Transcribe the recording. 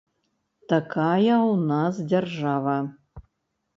Такая ў нас дзяржава.